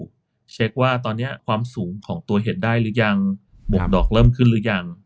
ก็เช็คว่าตอนนี้ความสูงของตัวเห็ดได้หรือยังบวกดอกเริ่มขึ้นหรือยัง